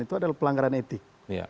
itu adalah pelanggaran etik